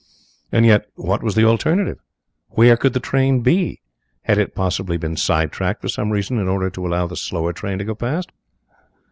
And yet, what was the alternative? Where could the train be? Had it possibly been sidetracked for some reason in order to allow the slower train to go past?